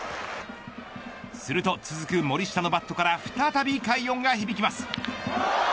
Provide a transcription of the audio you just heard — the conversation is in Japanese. すると、続く森下のバットから再び快音が響きます。